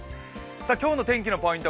今日の天気のポイント